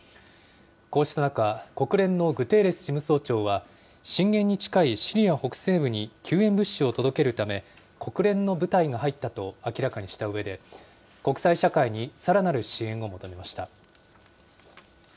こうした中、国連のグテーレス事務総長は、震源に近いシリア北西部に救援物資を届けるため、国連の部隊が入ったと明らかにしたうえで、国際社会にさらなる支援を求めました。